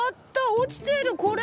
落ちてるこれ！？